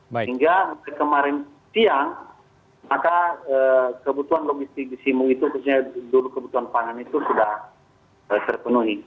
sehingga kemarin siang maka kebutuhan logistik di simu itu kebetulan pangan itu sudah terpenuhi